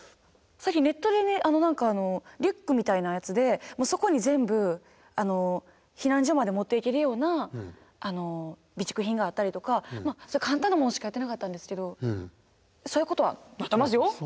最近ネットでね何かリュックみたいなやつでそこに全部避難所まで持っていけるような備蓄品があったりとか簡単なものしかやってなかったんですけどそういうことはやってますよ。